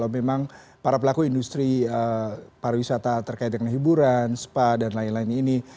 apa yang terjadi dengan industri industri yang terkena hiburan spa dan lain lain ini